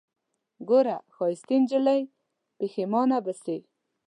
ګوره ښايستې نجلۍ پښېمانه به سې